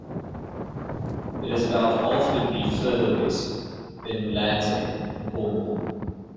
It is about half a degree further west than Land's End in Cornwall.